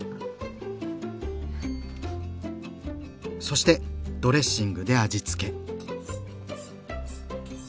そしてドレッシングで味付け。